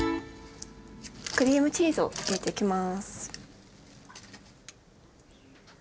クリームチーズを入れていきます。